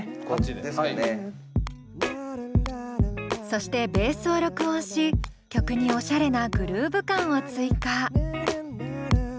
そしてベースを録音し曲におしゃれなグルーヴ感を追加。